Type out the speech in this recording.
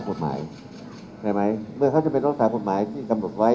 กฎหมายใช่ไหมเมื่อเขาจะเป็นรักษากฎหมายที่กำหนดไว้